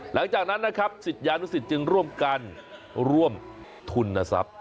หลังจากนั้นนะครับศิษยานุสิตจึงร่วมกันร่วมทุนทรัพย์